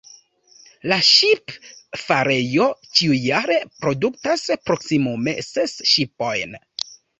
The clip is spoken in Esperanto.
La ŝipfarejo ĉiujare produktas proksimume ses ŝipojn.